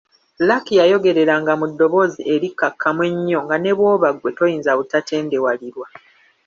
Lucky yayogereranga mu ddoboozi erikkakkamu ennyo nga ne bw’oba ggwe toyinza butatendewalirwa.